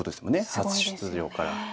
初出場から。